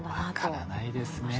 分からないですね。